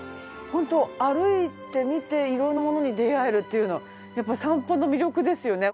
ホント歩いてみて色んなものに出会えるっていうのはやっぱ散歩の魅力ですよね。